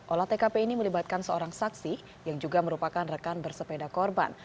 olah tkp ini melibatkan seorang saksi yang juga merupakan rekan bersepeda korban